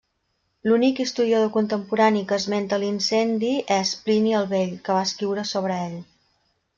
L'únic historiador contemporani que esmenta l'incendi és Plini el Vell, que va escriure sobre ell.